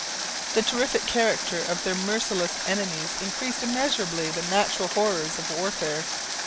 The terrific character of their merciless enemies increased immeasurably the natural horrors of warfare.